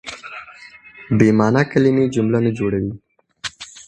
بې مانا کیلمې جمله نه جوړوي.